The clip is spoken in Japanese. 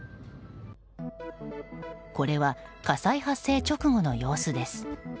これは、火災発生直後の様子です。